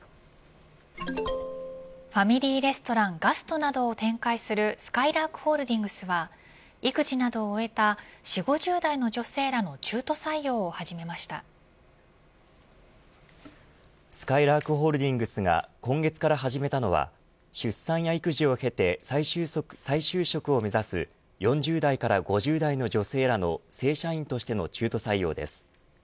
ファミリーレストランガストなどを展開するすかいらーくホールディングスは育児などを終えた４０５０代の女性らのすかいらーくホールディングスが今月から始めたのは出産や育児を経て再就職を目指す４０代から５０代の女性らの正社員としての中途採用です。